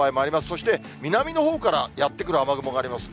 そして南のほうからやって来る雨雲があります。